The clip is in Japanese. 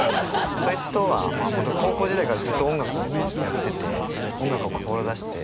そいつとは本当高校時代からずっと音楽をやってて音楽を志して。